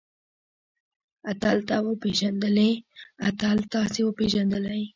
اتل تۀ وپېژندلې؟ اتل تاسې وپېژندلئ؟